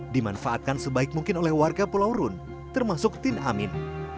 dimanfaatkan sebaik mungkin oleh warga pulau rune termasuk tin amin